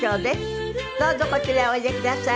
どうぞこちらへおいでください。